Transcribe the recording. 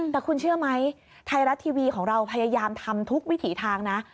แต่คุณเชื่อไหมไทยรัฐทีวีของเราพยายามทำทุกวิถีทางนะ